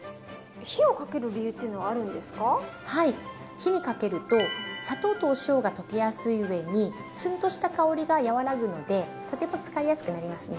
火にかけると砂糖とお塩が溶けやすい上にツンとした香りが和らぐのでとても使いやすくなりますね。